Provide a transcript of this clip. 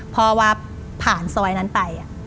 พอวาผ่านซอยนั้นไป